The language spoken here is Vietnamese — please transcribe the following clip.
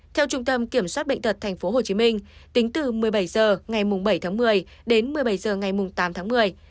theo trung tâm kiểm soát bệnh tật tp hcm tính từ một mươi bảy h ngày bảy tháng một mươi đến một mươi bảy h ngày tám tháng một mươi